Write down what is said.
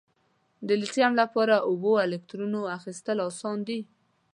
د لیتیم لپاره اووه الکترونو اخیستل آسان دي؟